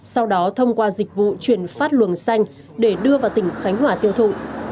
sau đó thông qua dịch vụ chuyển phát luồng xanh để đưa vào tỉnh khánh hòa tiêu thụ